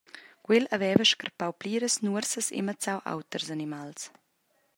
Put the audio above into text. Quel haveva scarpau pliras nuorsas e mazzau auters animals.